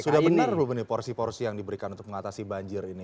sudah benar bu beni porsi porsi yang diberikan untuk mengatasi banjir ini